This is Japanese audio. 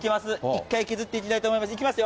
一回削ってみたいと思います。